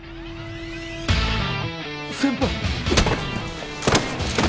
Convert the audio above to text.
先輩！？